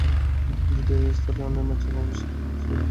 দ্বিতীয় স্তরের অন্য ম্যাচে অবশ্য দুই দিনেও শেষ হয়নি সিলেটের প্রথম ইনিংস।